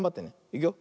いくよ。